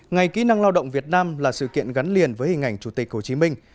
ngày kỹ năng lao động việt nam là sự kiện gắn liền với hình ảnh chủ tịch hồ chí minh